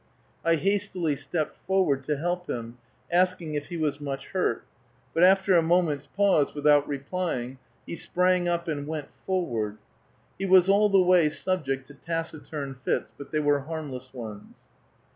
I hastily stepped forward to help him, asking if he was much hurt, but after a moment's pause, without replying, he sprang up and went forward. He was all the way subject to taciturn fits, but they were harmless ones.